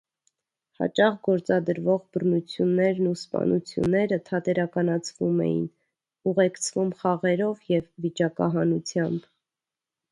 Հաճախ գործադրվող բռնություններն ու սպանությունները թատերականացվում էին, ուղեկցվում խաղերով և վիճակահանությամբ։